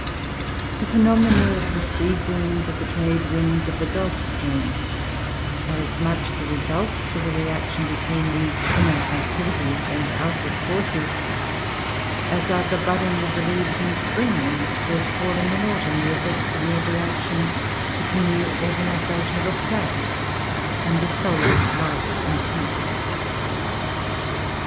The phenomena of the seasons, of the trade winds, of the Gulf stream, are as much the results of the reaction between these inner activities and outward forces, as are the budding of the leaves in spring and their falling in autumn the effects of the interaction between the organisation of a plant and the solar light and heat.